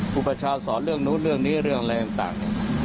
ประชาสอนเรื่องนู้นเรื่องนี้เรื่องอะไรต่าง